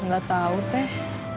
gak tau teh